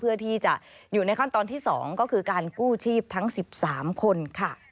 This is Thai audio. เพื่อที่จะอยู่ในขั้นตอนที่๒ก็คือการกู้ชีพทั้ง๑๓คนค่ะ